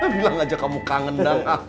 bilang aja kamu kangen dong